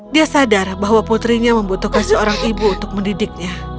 dia sadar bahwa putrinya membutuhkan seorang ibu untuk mendidiknya